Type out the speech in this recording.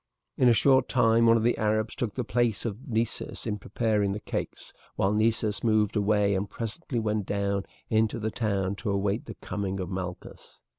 In a short time one of the Arabs took the place of Nessus in preparing the cakes, while Nessus moved away and presently went down into the town to await the coming of Malchus.